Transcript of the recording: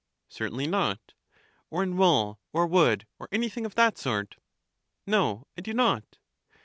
Certainly not. Or in wool, or wood, or anything of that sort? No, I do not.